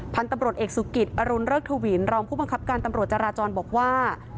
พันธุ์ตำรวจเอกสุกิตอรุณเริกทวินรองผู้บังคับการตำรวจจราจรบอกว่า